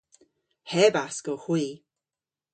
Hebask owgh hwi.